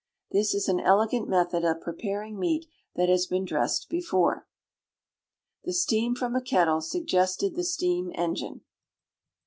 This is an elegant method of preparing meat that has been dressed before. [THE STEAM FROM A KETTLE SUGGESTED THE STEAM ENGINE.